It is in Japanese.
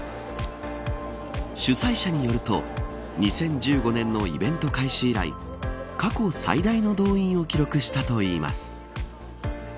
主催者によると２０１５年のイベント開始以来過去最大の動員を記録したといいます。